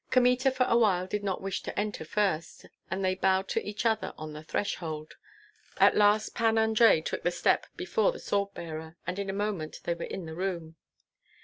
Kmita for a while did not wish to enter first, and they bowed to each other on the threshold; at last Pan Andrei took the step before the sword bearer, and in a moment they were in the room.